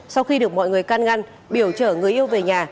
sau khi được mọi người can ngăn biểu chở người yêu về nhà